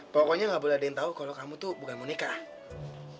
pokoknya ga boleh ada yang tau kalo kamu tuh bukan mau nikah